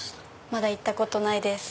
まだ行ったことないです。